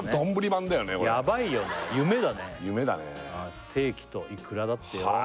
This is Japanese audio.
ステーキとイクラだってよはあ